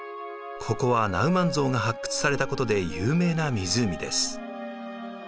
ここはナウマンゾウが発掘されたことで有名な湖です。